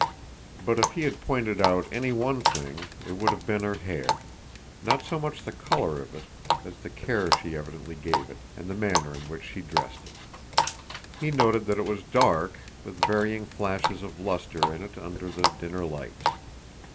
But if he had pointed out any one thing, it would have been her hair—not so much the color of it as the care she evidently gave it, and the manner in which she dressed it. He noted that it was dark, with varying flashes of luster in it under the dinner lights.